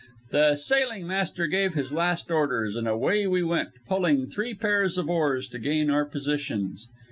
The sailing master gave his last orders, and away we went, pulling three pairs of oars to gain our positions.